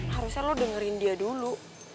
harusnya lo dengerin dia dulu